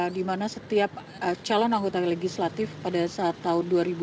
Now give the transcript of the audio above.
di mana setiap calon anggota legislatif pada saat tahun dua ribu dua puluh